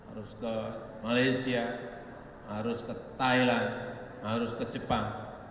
harus ke malaysia harus ke thailand harus ke jepang